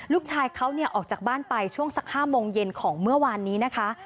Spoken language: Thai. ลูกชายเขาออกจากบ้านไปช่วงสัก๕โมงเย็นของเมื่อวานนี้นะคะ